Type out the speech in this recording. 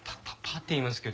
ッて言いますけど。